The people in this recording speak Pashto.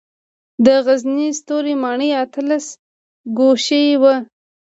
د غزني ستوري ماڼۍ اتلس ګوشې وه